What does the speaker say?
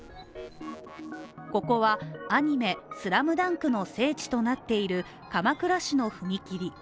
ここはアニメ「ＳＬＡＭＤＵＮＫ」の聖地となっている鎌倉市の踏切。